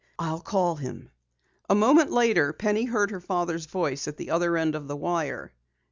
"I'll call him." A moment later Penny heard her father's voice at the other end of the wire.